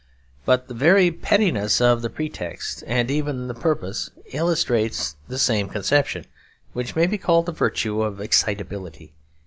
But the very pettiness of the pretext and even the purpose illustrates the same conception; which may be called the virtue of excitability.